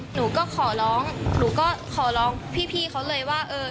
หนูก็ขอร้องพี่เขาเลยว่า